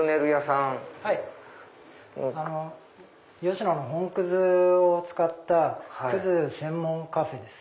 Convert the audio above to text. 吉野の本くずを使ったくず専門カフェです。